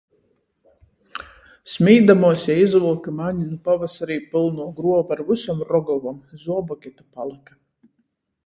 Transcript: Smīdamuos jei izvylka mani nu pavasarī pylnuo gruova ar vysom rogovom, zuoboki to palyka.